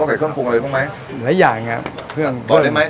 ต้องเก็บเครื่องปรุงอะไรพรุ่งไหมหลายอย่างอ่ะเครื่องเครื่องบอดได้ไหม